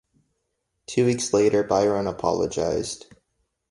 Two weeks later, Biron apologized.